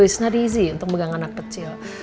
is not easy untuk megang anak kecil